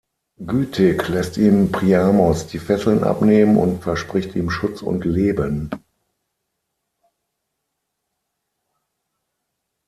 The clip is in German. Gütig lässt ihm Priamos die Fesseln abnehmen und verspricht ihm Schutz und Leben.